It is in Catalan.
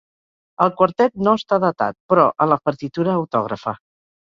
El quartet no està datat, però, en la partitura autògrafa.